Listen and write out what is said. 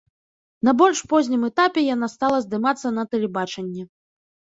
На больш познім этапе яна стала здымацца на тэлебачанні.